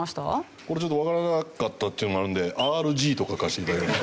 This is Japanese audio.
これちょっとわからなかったっていうのもあるんでＲＧと書かせて頂きました。